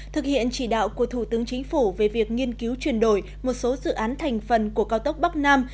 thực hiện chỉ đạo của thủ tướng chính phủ về việc nghiên cứu chuyển đổi một số dự án thành phần của cao tốc bắc nam